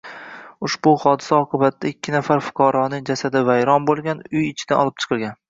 Ushbu hodisa oqibatida ikki nafar fuqaroning jasadi vayron boʻlgan, uy ichidan olib chiqilgan.